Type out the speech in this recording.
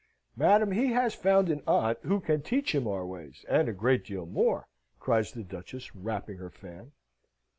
"Madam, he has found an aunt who can teach him our ways, and a great deal more!" cries the Duchess, rapping her fan.